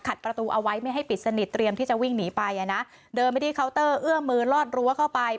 ประตูเอาไว้ไม่ให้ปิดสนิทเตรียมที่จะวิ่งหนีไปอ่ะนะเดินไปที่เคาน์เตอร์เอื้อมือลอดรั้วเข้าไป